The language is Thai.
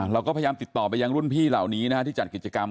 เราก็พยายามติดต่อไปยังรุ่นพี่เหล่านี้นะฮะที่จัดกิจกรรม